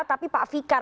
tapi pak fikar